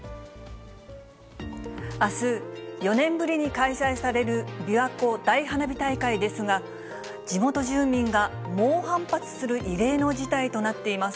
あす、４年ぶりに開催されるびわ湖大花火大会ですが、地元住民が猛反発する異例の事態となっています。